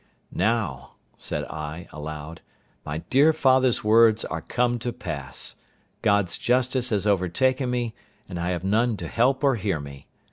"Now," said I, aloud, "my dear father's words are come to pass; God's justice has overtaken me, and I have none to help or hear me.